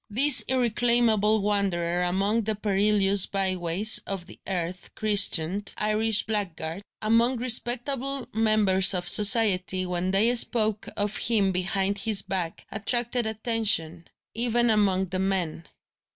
This irreclaimable wanderer among the perilous by ways of the earth christened "Irish blackguard," among respectable members of society, when they spoke of him behind his back attracted attention, even among the men.